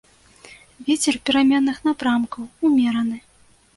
Вецер пераменных напрамкаў умераны.